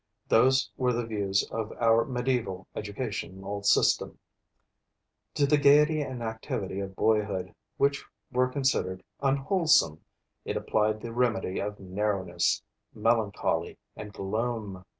Those were the views of our mediaeval educational system. To the gaiety and activity of boyhood, which were considered unwholesome, it applied the remedy of narrowness, melancholy and gloom.